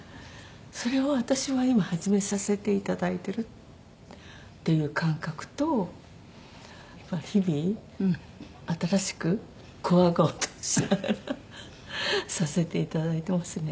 それを私は今始めさせていただいてるっていう感覚と日々新しくこわごわとしながらさせていただいてますね。